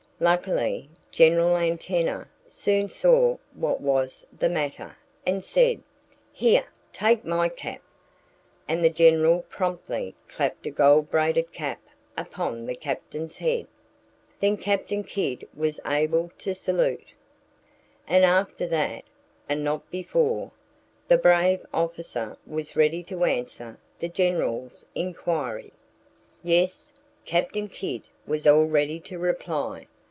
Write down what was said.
Luckily, General Antenna soon saw what was the matter, and said: "Here take my cap!" And the General promptly clapped a gold braided cap upon the Captain's head. Then Captain Kidd was able to salute. And after that and not before the brave officer was ready to answer the General's inquiry. Yes! Captain Kidd was all ready to reply.